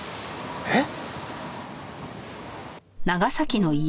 えっ？